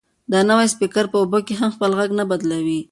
دا نوی سپیکر په اوبو کې هم خپل غږ نه بدلوي.